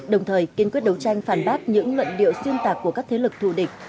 đồng thời kiên quyết đấu tranh phản bác những luận điệu xuyên tạc của các thế lực thù địch